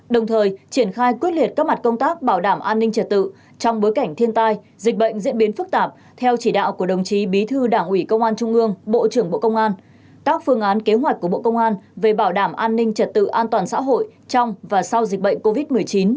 đồng thời triển khai quyết liệt các mặt công tác bảo đảm an ninh trật tự trong bối cảnh thiên tai dịch bệnh diễn biến phức tạp theo chỉ đạo của đồng chí bí thư đảng ủy công an trung ương bộ trưởng bộ công an các phương án kế hoạch của bộ công an về bảo đảm an ninh trật tự an toàn xã hội trong và sau dịch bệnh covid một mươi chín